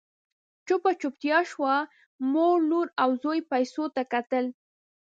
چوپه چوپتيا شوه، مور، لور او زوی پيسو ته کتل…